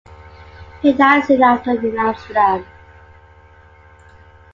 He died soon after in Amsterdam.